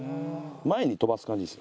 前に飛ばす感じです